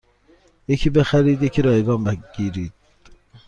یکی بخرید یکی رایگان بگیرید